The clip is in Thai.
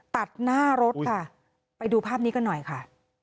ตัดหน้ารถค่ะไปดูภาพนี้กันหน่อยค่ะ